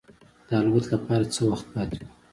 د الوت لپاره څه وخت پاتې و.